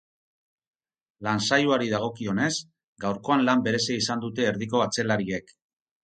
Lan saioari dagokionez, gaurkoan lan berezia izan dute erdiko atzelariek.